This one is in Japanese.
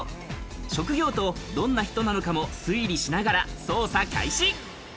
職業と、どんな人なのかも推理しながら捜査開始。